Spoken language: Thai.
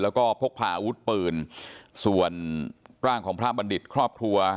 แล้วก็พกพาอาวุธปืนส่วนร่างของพระบัณฑิตครอบครัว